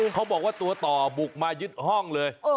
เขาบอกว่าตัวต่อบุกมายึดห้องเลย